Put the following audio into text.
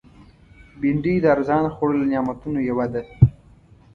بېنډۍ د ارزانه خوړو له نعمتونو یوه ده